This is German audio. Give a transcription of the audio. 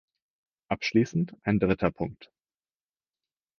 Abschließend ein dritter Punkt.